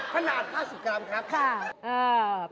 ขนาด๕๐กรัมครับ